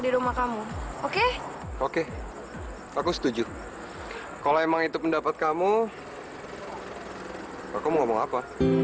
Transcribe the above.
di rumah kamu oke oke aku setuju kalau emang itu pendapat kamu aku mau apa